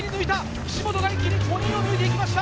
岸本が一気に５人を抜いていきました。